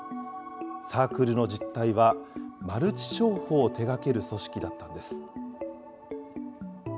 サークルの実態は、マルチ商法を手がける組織だったんです。